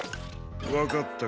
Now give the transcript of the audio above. わかったか？